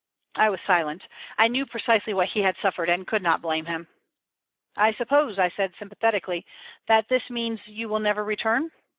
I was silent. I knew precisely what he had suffered, and could not blame him. "I suppose," I said, sympathetically, "that this means that you will never return."